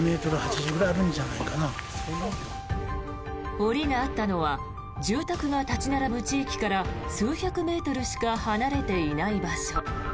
檻があったのは住宅が立ち並ぶ地域から数百メートルしか離れていない場所。